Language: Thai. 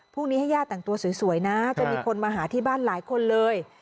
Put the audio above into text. พรุ่งนี้ให้ย่าแต่งตัวสวยนะจะมีคนมาหาที่บ้านหลายคนเลย